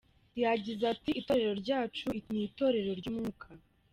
Yagize ati “Itorero ryacu ni itorero ry’umwuka.